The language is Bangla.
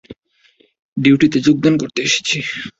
ডিউটিতে যোগদান করতে এসেছি।